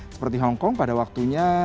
seperti hongkong pada waktunya